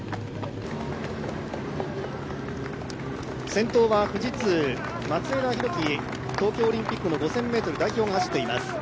先頭は富士通・松枝博輝東京オリンピックの５０００ｍ代表が走っています。